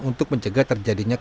untuk mencegah terjadinya kasus